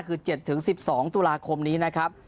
เดือนหน้าคือ๗ถึง๑๒ตุลาคมนี้นะครับ